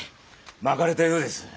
まかれたようです。